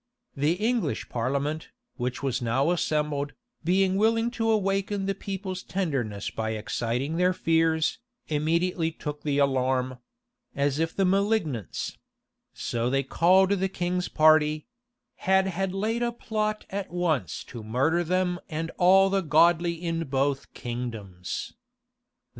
The English parliament, which was now assembled, being willing to awaken the people's tenderness by exciting their fears, immediately took the alarm; as if the malignants so they called the king's party had had laid a plot at once to murder them and all the godly in both kingdoms.